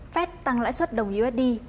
phép tăng lãi suất đồng usd